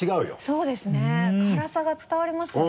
そうですね辛さが伝わりますよね